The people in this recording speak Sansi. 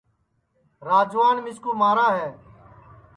راجوان مِسکُو مارا ہے